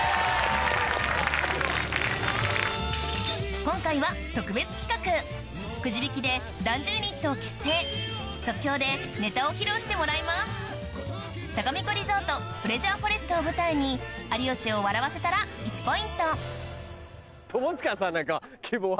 今回は特別企画くじ引きで男女ユニットを結成即興でネタを披露してもらいますさがみ湖リゾートプレジャーフォレストを舞台に有吉を笑わせたら１ポイントわ！